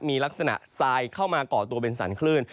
มีลักษณะทรายเข้ามาก่อตัวเป็นสรรคลื่น